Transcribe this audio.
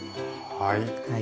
はい。